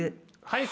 はい。